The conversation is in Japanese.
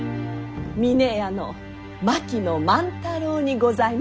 峰屋の槙野万太郎にございまする。